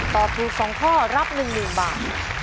ตอบถูก๒ข้อรับ๑๐๐๐บาท